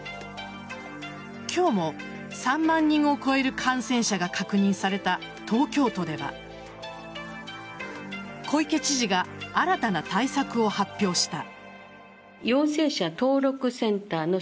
今日も３万人を超える感染者が確認された東京都では小池知事が新たな対策を発表した。